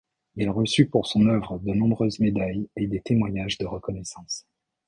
Il reçut pour son œuvre de nombreuses médailles et des témoignages de reconnaissance.